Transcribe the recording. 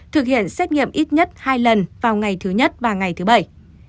thực hiện xét nghiệm ít nhất hai lần vào ngày thứ nhất và ngày thứ bảy